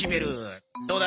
どうだ？